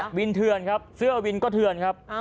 วินเทือนครับเสื้อวินก็เทือนครับ